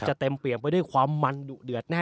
จะเต็มเปี่ยนไปด้วยความมันเดือดแน่นอน